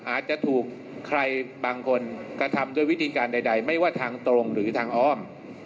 อาจจะถูกใครบางคนกระทำด้วยวิธีการใดไม่ว่าทางตรงหรือทางอ้อม